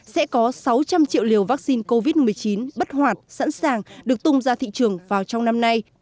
sẽ có sáu trăm linh triệu liều vaccine covid một mươi chín bất hoạt sẵn sàng được tung ra thị trường vào trong năm nay